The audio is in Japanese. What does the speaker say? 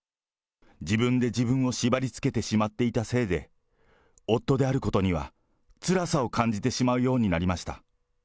自分で自分を縛りつけてしまっていたせいで、夫であることには、つらさを感じてしまうようになりました。